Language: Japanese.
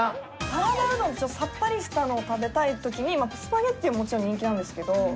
サラダうどんさっぱりしたのを食べたい時にスパゲティはもちろん人気なんですけど。